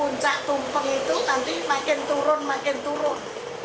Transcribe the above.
puncak tumpeng itu nanti makin turun makin turun